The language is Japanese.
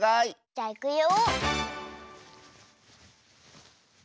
じゃいくよ。